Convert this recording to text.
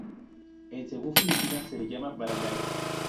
En Cebú, Filipinas, se le llama barangay.